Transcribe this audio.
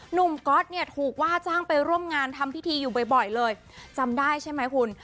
ก๊อตเนี่ยถูกว่าจ้างไปร่วมงานทำพิธีอยู่บ่อยเลยจำได้ใช่ไหมคุณ